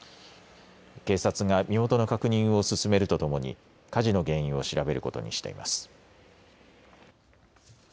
警察が身元の確認を進めるとともに火事の原因を調べることにしています。